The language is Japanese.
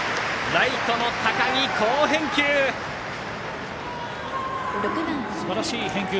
ライトの高木、好返球！